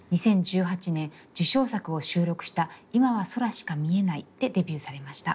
２０１８年受賞作を収録した「いまは、空しか見えない」でデビューされました。